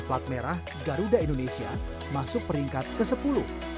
plat merah garuda indonesia masuk peringkat ke sepuluh